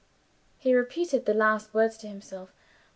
He repeated the last words to himself.